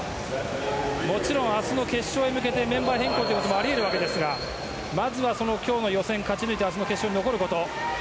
明日の決勝に向けてメンバー変更ということもあり得るわけですがまずは今日の予選を勝ち抜いて明日の決勝に残ること。